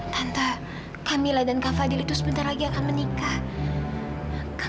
tanpa camilla dan kak fadil itu sebentar lagi akan menikah